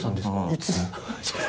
いつ？